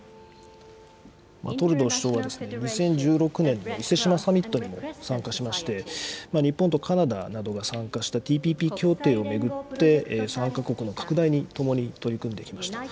トルドー首相は、２０１６年の伊勢志摩サミットにも参加しまして、日本とカナダなどが参加したＴＰＰ協定を巡って、参加国の拡大に共に取り組んできました。